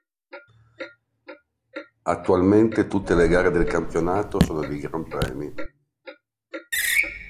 Attualmente tutte le gare del campionato sono dei gran premi.